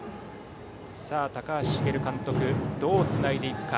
高橋滋監督はどうつないでいくか。